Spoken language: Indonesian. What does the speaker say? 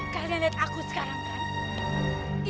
kalian lihat aku sekarang kan